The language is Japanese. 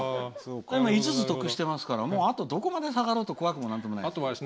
５つ得してますからどこまで下がろうと怖くもなんともないです。